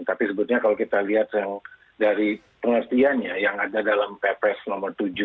tapi sebetulnya kalau kita lihat dari pengertiannya yang ada dalam ppres nomor tujuh